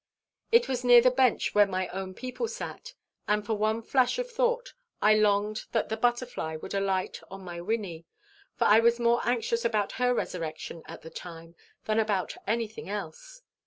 It was near the bench where my own people sat, and, for one flash of thought, I longed that the butterfly would alight on my Wynnie, for I was more anxious about her resurrection at the time than about anything else.